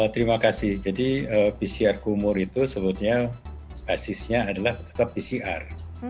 terima kasih jadi pcr kumur itu sebetulnya basisnya adalah tetap pcr